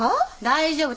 大丈夫。